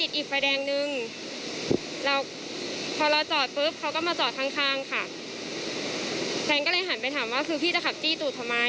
หลังจากจบคำนั้นเขาก็เปิดประตู